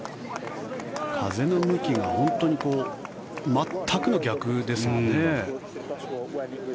風の向きが、本当に全くの逆ですからね。